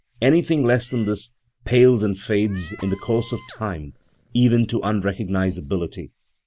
Anything less than this pales and fades in the course of time, even to unrecognisability.